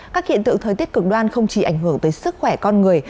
các hiện tượng thời tiết cực đoan không chỉ ảnh hưởng tới sức khỏe con người